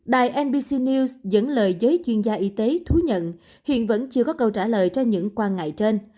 đài nbc news dẫn lời giới chuyên gia y tế thú nhận hiện vẫn chưa có câu trả lời cho những quan ngại trên